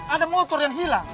ada motor yang hilang